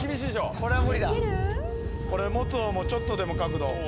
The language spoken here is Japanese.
これ持つ方もちょっとでも角度。